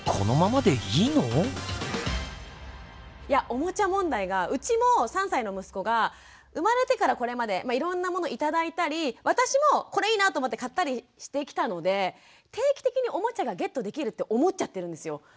いやおもちゃ問題がうちも３歳の息子が生まれてからこれまでいろんなもの頂いたり私もこれいいなと思って買ったりしてきたので定期的におもちゃがゲットできるって思っちゃってるんですよ。